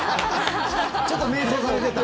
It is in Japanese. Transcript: ちょっと迷走されてた。